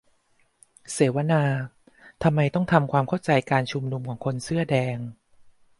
เสวนา : ทำไมต้องทำความเข้าใจการชุมนุมของคนเสื้อแดง